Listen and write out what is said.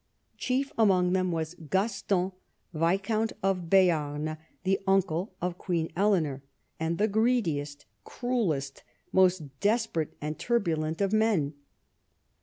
Chief among them was Gaston, Viscount of Beam, the uncle of Queen Eleanor, and the greediest, cruellest, most desperate, and turbulent of men.